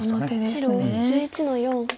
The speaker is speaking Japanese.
白１１の四。